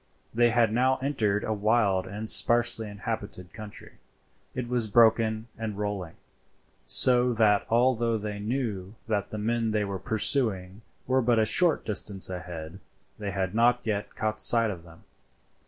They had now entered a wild and sparsely inhabited country. It was broken and rolling, so that although they knew that the men they were pursuing were but a short distance ahead they had not yet caught sight of them.